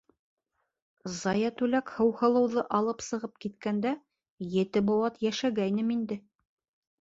— Заятүләк һыуһылыуҙы алып сығып киткәндә ете быуат йәшәгәйнем инде.